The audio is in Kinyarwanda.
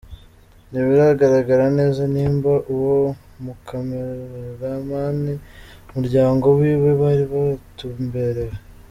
Ntibiragaragara neza nimba uwo mu cameraman n'umuryango wiwe bari batumbererwe.